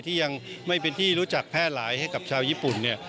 ที่ยังไม่เป็นที่รู้จักแพร่หลายให้กับชาวญี่ปุ่นเนี่ย